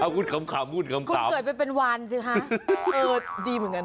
คุณขำถามคุณเกิดไปเป็นวานจริงหรือคะเออดีเหมือนกัน